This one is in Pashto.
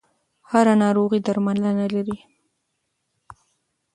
هره ناروغي درملنه لري.